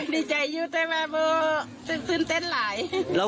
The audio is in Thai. ดีใจอยู่ในแม่บัวซึ่งเต้นไหล